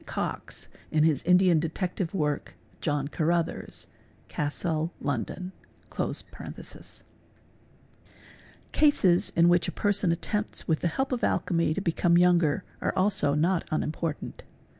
Cox in his Indian detective work, '' John Carruthers '', Cassell London). | i Cases in which a person attempts with the help of alchemy to becon younger are also not unimportant.